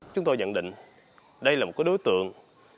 chúng tôi nhận định đây là một đối tượng